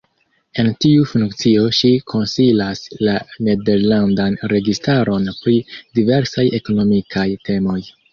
En tiu funkcio ŝi konsilas la nederlandan registaron pri diversaj ekonomikaj temoj.